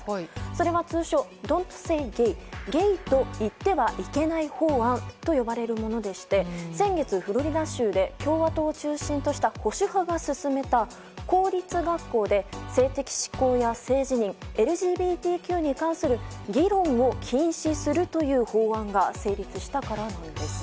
それが通称ゲイと言ってはいけない法案と呼ばれるものでして先月、フロリダ州で共和党を中心とした保守派が進めた公立学校で性的指向や性自認ＬＧＢＴＱに関する議論を禁止するという法案が成立したからなんです。